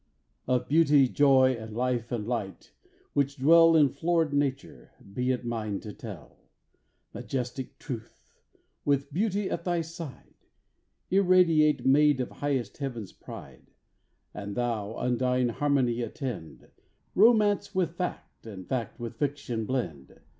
Of Beauty, Joy, and Life and Light, which dwell In florid nature, be it mine to tell. Majestic truth! with Beauty at thy side Irradiate maid of highest Heaven's pride; And thou, undying Harmony, attend, Romance with fact, and fact with fiction blend.